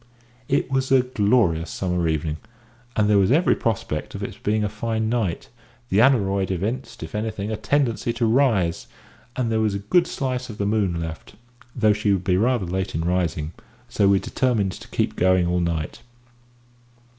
It was a glorious summer evening, and there was every prospect of its being a fine night; the aneroid evinced, if anything, a tendency to rise, and there was a good slice of the moon left, though she would be rather late in rising, so we determined to keep going all night.